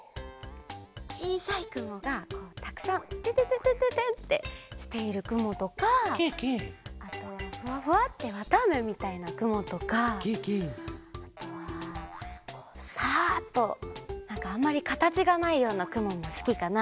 ちいさいくもがこうたくさんてんてんてんてんってしているくもとかあとフワフワッてわたあめみたいなくもとかあとはこうサッとなんかあんまりかたちがないようなくももすきかな。